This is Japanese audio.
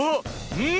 うん！